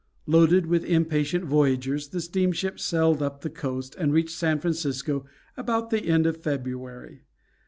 Loaded with impatient voyagers, the steamship sailed up the coast, and reached San Francisco about the end of February.